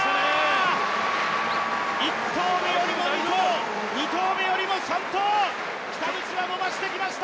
１投目よりも２投、２投目よりも３投北口は伸ばしてきました！